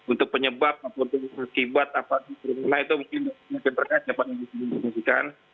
untuk penyebab atau untuk terkibat apa itu mungkin berkait dapat disimulasikan